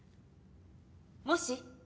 もし？